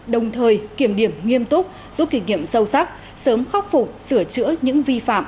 đồng thời kiểm điểm nghiêm túc giúp kỷ niệm sâu sắc sớm khắc phục sửa chữa những vi phạm